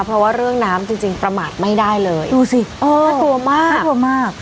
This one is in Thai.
เพราะว่าเรื่องน้ำจริงจริงประมาทไม่ได้เลยดูสิเออน่ากลัวมากน่ากลัวมาก